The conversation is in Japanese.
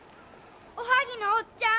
おはぎのおっちゃん。